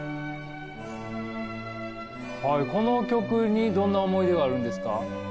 この曲にどんな思い出があるんですか？